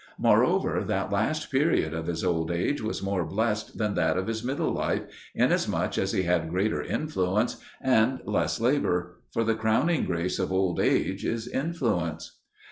Moreover, that last period of his old age was more blessed than that of his middle life, inasmuch as he had greater influence and less labour. For the crowning grace of old age is influence.